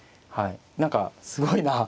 何かすごいなあ。